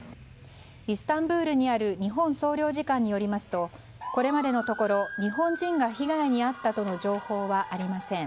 イスタンブールにある日本総領事館によりますとこれまでのところ日本人が被害に遭ったとの情報はありません。